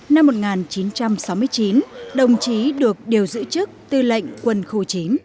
năm một nghìn chín trăm sáu mươi chín đồng chí được điều giữ chức tư lệnh quân khu chín